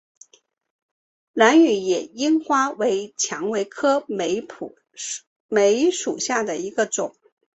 兰屿野樱花为蔷薇科梅属下的一个种。